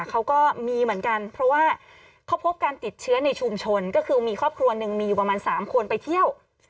เขาก็มีเหมือนกันเพราะว่าเขาพบการติดเชื้อในชุมชนก็คือมีครอบครัวหนึ่งมีอยู่ประมาณ๓คนไปเที่ยว